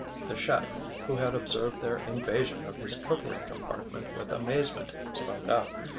the chef, who had observed their invasion of his cookery compartment with amazement, spoke up.